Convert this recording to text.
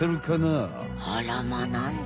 あらまなんで？